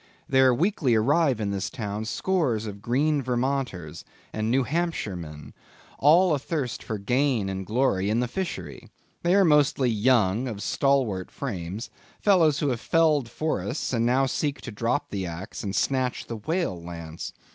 There weekly arrive in this town scores of green Vermonters and New Hampshire men, all athirst for gain and glory in the fishery. They are mostly young, of stalwart frames; fellows who have felled forests, and now seek to drop the axe and snatch the whale lance.